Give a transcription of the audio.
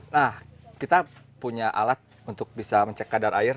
nah kita punya alat untuk bisa mencek kadar air